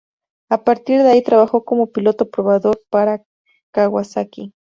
A partir de ahí, trabajó como piloto probador para Kawasaki.